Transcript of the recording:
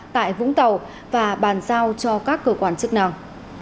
tại vũng tàu và bàn giao cho các cơ quan chức năng